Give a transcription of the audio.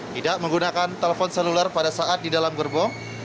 tidak menggunakan telepon seluler pada saat di dalam gerbong